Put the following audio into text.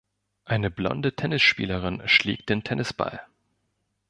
Eine blonde Tennisspielerin schlägt den Tennisball.